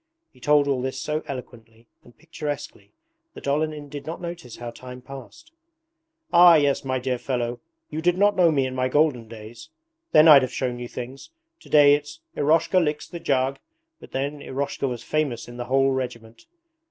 He told all this so eloquently and picturesquely that Olenin did not notice how time passed. 'Ah yes, my dear fellow, you did not know me in my golden days; then I'd have shown you things. Today it's "Eroshka licks the jug", but then Eroshka was famous in the whole regiment.